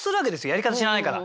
やり方知らないから。